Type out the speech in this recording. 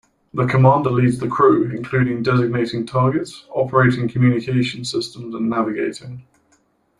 The commander leads the crew, including designating targets, operating communication systems and navigating.